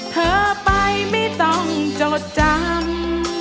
เธอไปไม่ต้องจดจำ